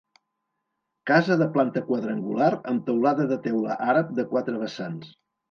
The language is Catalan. Casa de planta quadrangular amb teulada de teula àrab de quatre vessants.